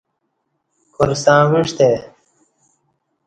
کار ستݩع اوعستہ آئی